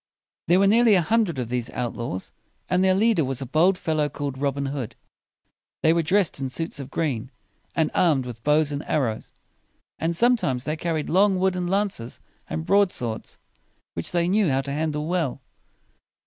There were nearly a hundred of these outlaws, and their leader was a bold fellow called Robin Hood. They were dressed in suits of green, and armed with bows and arrows; and sometimes they carried long wooden lances and broad swords, which they knew how to handle well.